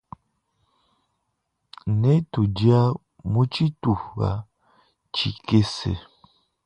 Ne tudia mutshituha tshikese.